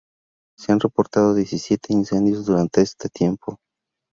Se han reportado diecisiete incendios durante este tiempo.